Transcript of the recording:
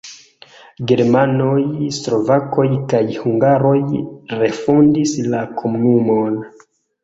Germanoj, slovakoj kaj hungaroj refondis la komunumon.